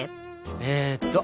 えっと。